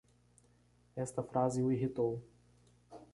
Esta frase o irritou